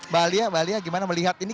mbak alia gimana melihat ini